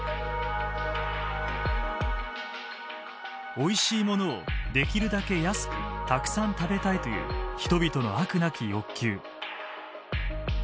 おいしいものをできるだけ安くたくさん食べたいという人々の飽くなき欲求。